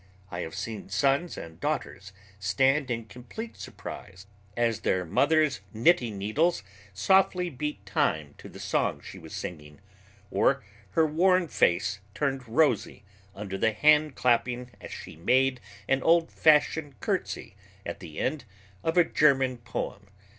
I have seen sons and daughters stand in complete surprise as their mother's knitting needles softly beat time to the song she was singing, or her worn face turned rosy under the hand clapping as she made an old fashioned curtsy at the end of a German poem.